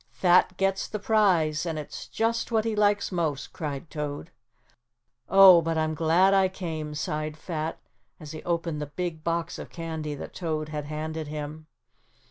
"Fat gets the prize and it's just what he likes most," cried Toad. "Oh, but I'm glad I came," sighed Fat, as he opened the big box of candy that Toad had handed him.